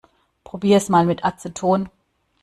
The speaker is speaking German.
Probier es mal mit Aceton.